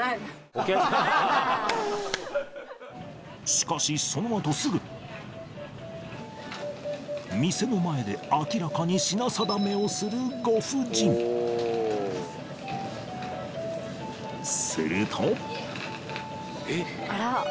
しかしその後すぐ店の前で明らかに品定めをするご婦人するとえっ。